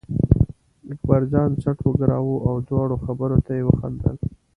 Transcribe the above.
اکبرجان څټ و ګراوه او د دواړو خبرو ته یې وخندل.